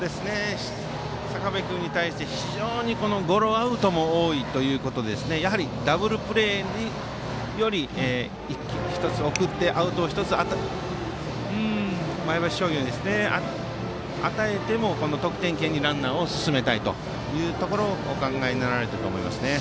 坂部君に対して非常にゴロアウトも多いということでやはりダブルプレーより送って１つアウトを与えても得点圏にランナーを進めたいとお考えになられているかと思いますね。